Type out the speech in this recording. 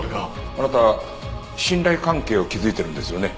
あなた信頼関係を築いているんですよね？